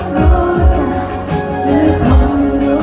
มันจะอยู่ตรงไหน